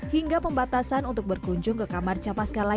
hingga pembatasan untuk berkunjung ke kamar capasca